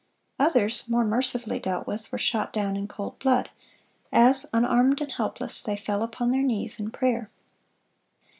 (396) Others, more mercifully dealt with, were shot down in cold blood, as, unarmed and helpless, they fell upon their knees in prayer.